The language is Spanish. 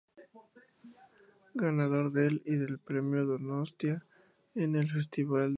Ganador del y del Premio Donostia en el Festival de Cine de San Sebastián.